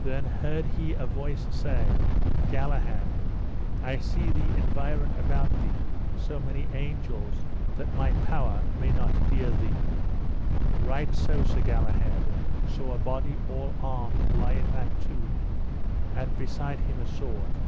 Then heard he a voice say Galahad, I see there environ about thee so many angels that my power may not dere thee Right so Sir Galahad saw a body all armed lie in that tomb, and beside him a sword.